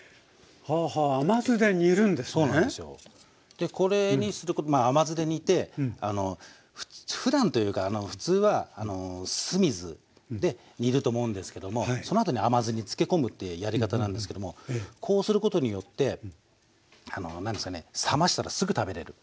でこれにまあ甘酢で煮てふだんというか普通は酢水で煮ると思うんですけどもそのあとに甘酢に漬け込むってやり方なんですけどもこうすることによって何ですかね冷ましたらすぐ食べれる。